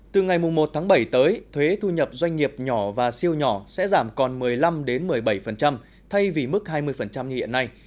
từ ngày một tháng bảy tới thuế thu nhập doanh nghiệp nhỏ và siêu nhỏ sẽ giảm còn một mươi năm một mươi bảy thay vì mức hai mươi như hiện nay